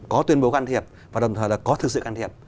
có tuyên bố can thiệp và đồng thời là có thực sự can thiệp